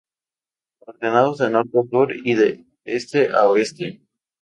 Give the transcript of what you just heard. Ordenados de norte a sur y de este a oeste.